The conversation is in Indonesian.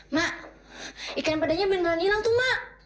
mak ikan pedanya beneran hilang tuh mak